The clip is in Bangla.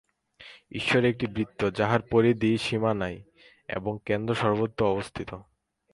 ঈশ্বর একটি বৃত্ত, যাহার পরিধির সীমা নাই এবং কেন্দ্র সর্বত্র অবস্থিত।